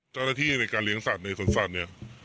เจ้าหน้าที่ในการเลี้ยงสัตว์ในสวนสัตว์เนี่ย